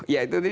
ya itu tadi